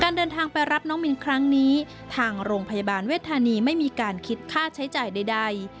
เดินทางไปรับน้องมินครั้งนี้ทางโรงพยาบาลเวทธานีไม่มีการคิดค่าใช้จ่ายใด